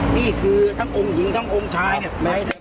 นี่คือทั้งอมหญิงทั้งอมชายเนี่ย